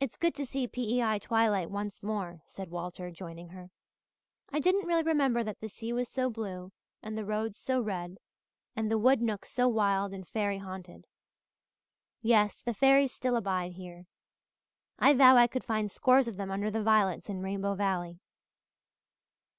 "It's good to see P.E.I. twilight once more," said Walter, joining her. "I didn't really remember that the sea was so blue and the roads so red and the wood nooks so wild and fairy haunted. Yes, the fairies still abide here. I vow I could find scores of them under the violets in Rainbow Valley."